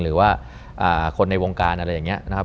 หรือว่าคนในวงการอะไรอย่างนี้นะครับ